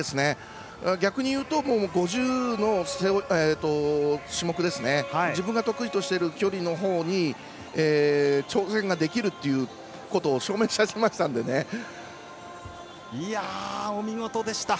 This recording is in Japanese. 逆に言うと５０の種目自分が得意としている距離のほうに挑戦ができるっていうことをお見事でした。